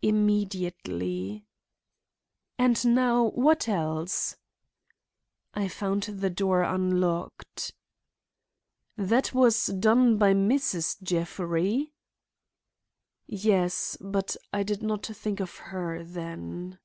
"Immediately." "And now what else?" "I found the door unlocked." "That was done by Mrs. Jeffrey?" "Yes, but I did not think of her then."